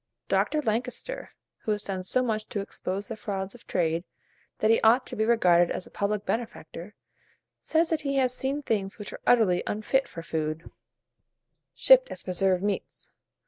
Dr. Lankester, who has done so much to expose the frauds of trade, that he ought to be regarded as a public benefactor, says that he has seen things which were utterly unfit for food, shipped as preserved meats.